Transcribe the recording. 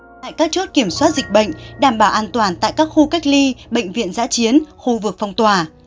tại các chốt kiểm soát dịch bệnh đảm bảo an toàn tại các khu cách ly bệnh viện giã chiến khu vực phong tỏa